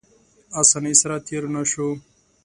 اسانۍ سره تېر نه شو.